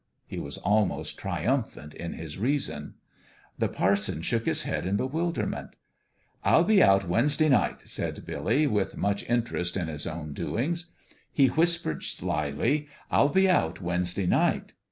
He was almost triumphant in his reason. The parson shook his head in bewilderment. "I'll be out Wednesday night," said Billy, with much interest in his own doings. He whis pered, slyly, " I'll be out Wednesday night."